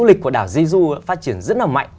cái du lịch của đảo jiu jiu phát triển rất là mạnh